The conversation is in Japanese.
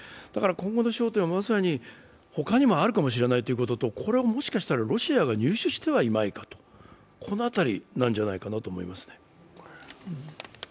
今後の焦点は、まさにほかにもあるかもしれないということとこれをもしかしたらロシアが入手してはいまいか、このあたりなんじゃないかと思いますね。